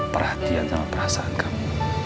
vero sudah perhatian sama kebaikan kamu